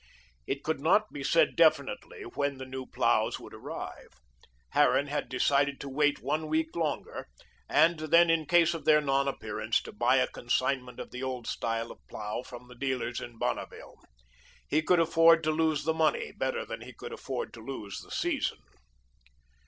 It could not be said definitely when the new ploughs would arrive. Harran had decided to wait one week longer, and then, in case of their non appearance, to buy a consignment of the old style of plough from the dealers in Bonneville. He could afford to lose the money better than he could afford to lose the season.